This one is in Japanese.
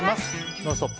「ノンストップ！」